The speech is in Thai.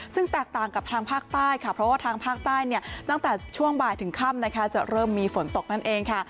ซึ่งแตกต่างกับทางภาคใต้ค่ะเพราะว่าทางภาคใต้เนี่ยตั้งแต่ช่วงบ่ายถึงค่ำนะคะจะเริ่มมีฝนตกนั่นเองค่ะ